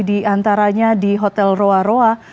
di antaranya di hotel roa roa